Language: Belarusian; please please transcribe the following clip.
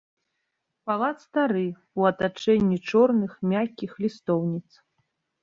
Палац стары, у атачэнні чорных, мяккіх лістоўніц.